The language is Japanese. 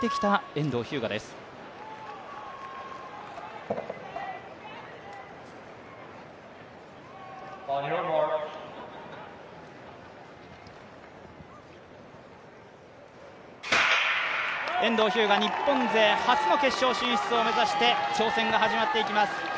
遠藤日向、日本勢初の決勝進出を目指して挑戦が始まっていきます。